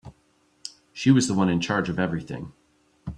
She was the one in charge of everything.